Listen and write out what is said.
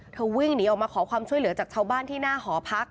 วิ่งหนีออกมาขอความช่วยเหลือจากชาวบ้านที่หน้าหอพัก